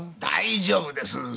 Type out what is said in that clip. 大丈夫です。